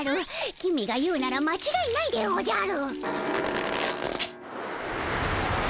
公が言うなら間違いないでおじゃる！